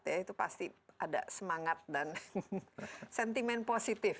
itu pasti ada semangat dan sentimen positif